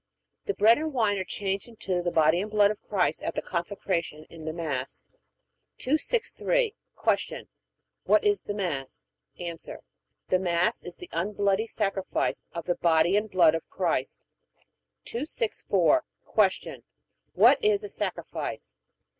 The bread and wine are changed into the body and blood of Christ at the Consecration in the Mass. 263. Q. What is the Mass? A. The Mass is the unbloody sacrifice of the body and blood of Christ. 264. Q. What is a sacrifice?